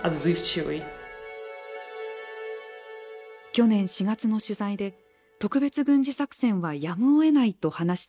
去年４月の取材で特別軍事作戦はやむをえないと話していたユーリさん。